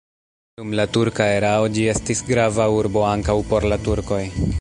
Dum la turka erao ĝi estis grava urbo ankaŭ por la turkoj.